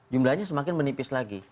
jumlahnya semakin menipis lagi